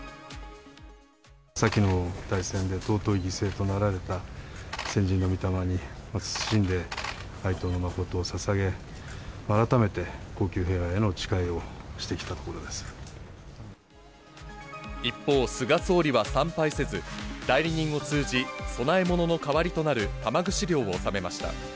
先の大戦で、尊い犠牲となられた先人のみ霊に、謹んで哀悼の誠をささげ、改めて恒久平和への誓いをしてきたとこ一方、菅総理は参拝せず、代理人を通じ、供え物の代わりとなる玉串料を納めました。